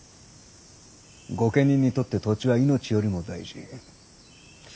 御家人にとって土地は命よりも大事。